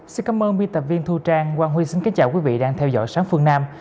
xin cảm ơn biên tập viên thu trang quang huy xin kính chào quý vị đang theo dõi sáng phương nam